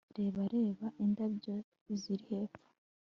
reba, reba indabyo ziri hepfo